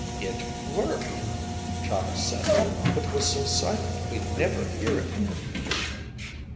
"It worked," Chahda said. "But was so silent we never hear it!"